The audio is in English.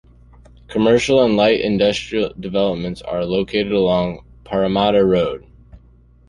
Commercial and light industrial developments are located along Parramatta Road.